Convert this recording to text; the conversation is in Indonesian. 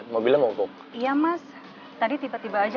tapi sarapannya ditinggalin gitu aja